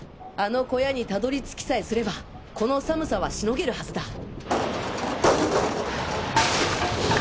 あの小屋に辿り着きさえすればこの寒さはしのげるはずだ。